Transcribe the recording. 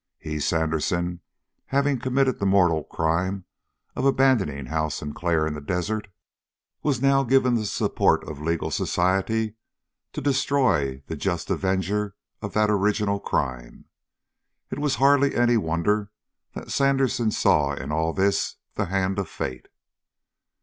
He, Sandersen, having committed the mortal crime of abandoning Hal Sinclair in the desert, was now given the support of legal society to destroy the just avenger of that original crime. It was hardly any wonder that Sandersen saw in all this the hand of fate.